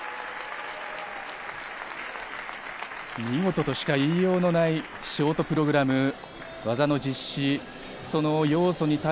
見事としか言いようのないショートプログラム。